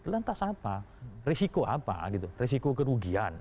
lantas apa resiko apa resiko kerugian